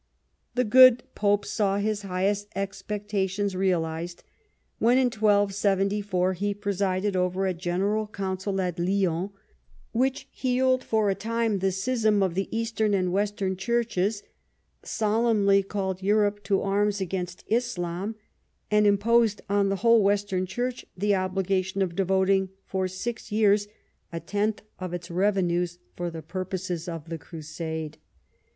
The good pope saw his highest expectations realised when in 1274 he presided over a General Council at Lyons, which healed for a time the schism of the Eastern and Western churches, solemnly called Europe to arm against Islam, and imposed on the whole Western Church the obligation of devoting for six years a tenth of its revenues for the purposes of the Crusade.